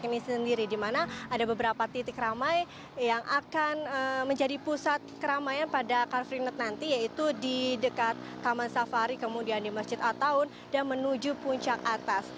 ini sendiri dimana ada beberapa titik ramai yang akan menjadi pusat keramaian pada car free night nanti yaitu di dekat taman safari kemudian di masjid attaun dan menuju puncak atas